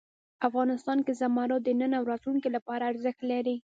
افغانستان کې زمرد د نن او راتلونکي لپاره ارزښت لري.